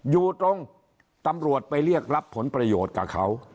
อยู่ตรงตำรวจไปเรียกรับผลประโยชน์กับเขา